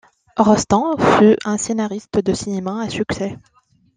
Rosten fut un scénariste de cinéma à succès.